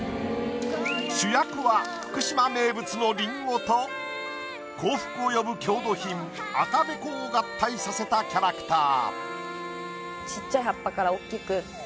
主役は福島名物のりんごと幸福を呼ぶ郷土品赤べこを合体させたキャラクター。